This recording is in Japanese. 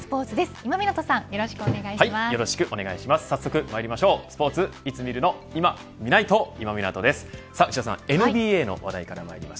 今湊さんよろしくお願いします。